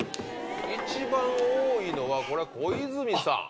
一番多いのはこれは小泉さん。